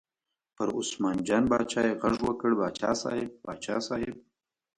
پر عثمان جان باچا یې غږ وکړ: باچا صاحب، باچا صاحب.